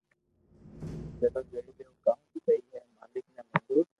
چلو جوئي ليو ڪاو سھي ھي مالڪ ني منظور